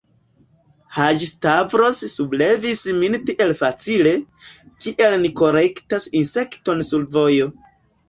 Haĝi-Stavros sublevis min tiel facile, kiel ni kolektas insekton sur vojo.